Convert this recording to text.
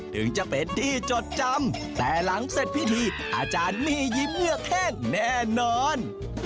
ถึงจะเป็นที่จดจำแต่หลังเสร็จพิธีอาจารย์มียิ้มเหงือกแห้งแน่นอน